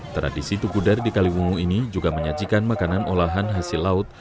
tradisi tukudar di kaliwungu ini juga menyajikan makanan olahan hasil laut